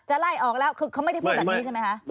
ไล่ออกแล้วคือเขาไม่ได้พูดแบบนี้ใช่ไหมคะ